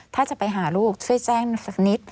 ถ้าจะไปหาลูกช่วยแจ้งสักนิด